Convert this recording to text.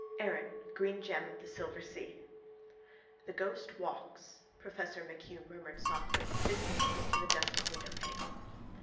ERIN, GREEN GEM OF THE SILVER SEA —The ghost walks, professor MacHugh murmured softly, biscuitfully to the dusty windowpane.